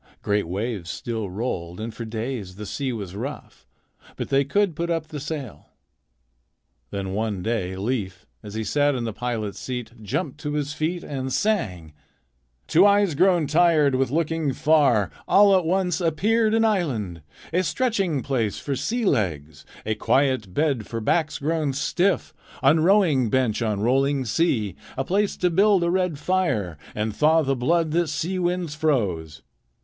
Great waves still rolled, and for days the sea was rough, but they could put up the sail. Then one day Leif, as he sat in the pilot's seat, jumped to his feet and sang: "To eyes grown tired with looking far, All at once appeared an island, A stretching place for sea legs, A quiet bed for backs grown stiff On rowing bench on rolling sea. A place to build a red fire And thaw the blood that sea winds froze."